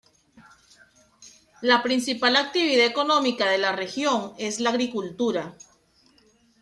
La principal actividad económica de la región es la agricultura.